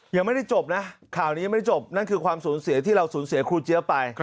ยังไม่ได้จบนะข่าวนี้ไม่ได้จบนั่นคือความสูญเสียที่เราสูญเสียครูเจี๊ยบไป